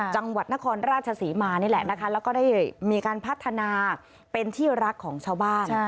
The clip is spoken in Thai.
จังหวัดนครราชศรีมานี่แหละนะคะแล้วก็ได้มีการพัฒนาเป็นที่รักของชาวบ้าน